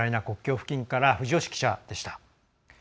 国境付近から藤吉記者でした。